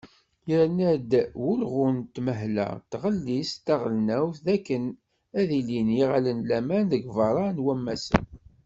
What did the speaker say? Yerna-d wulɣu n tenmehla n tɣellist taɣelnawt d akken ad ilin yiɣallen n laman deg berra n wammasen.